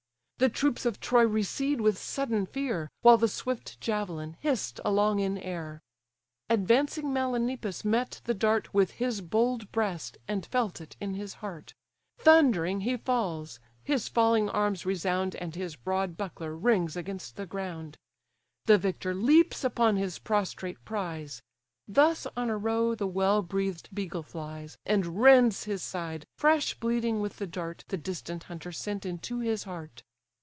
The troops of Troy recede with sudden fear, While the swift javelin hiss'd along in air. Advancing Melanippus met the dart With his bold breast, and felt it in his heart: Thundering he falls; his falling arms resound, And his broad buckler rings against the ground. The victor leaps upon his prostrate prize: Thus on a roe the well breath'd beagle flies, And rends his side, fresh bleeding with the dart The distant hunter sent into his heart.